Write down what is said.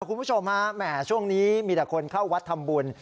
คุณผู้ชมฮะแหมช่วงนี้มีแต่คนเข้าวัดทำบุญ